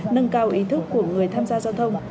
nâng cao ý thức của người tham gia giao thông